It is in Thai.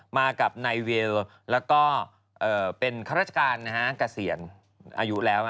มากับนายเวลแล้วก็เป็นข้าราชการเกษียณอายุแล้ว